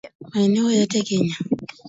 Maeneo yote Kenya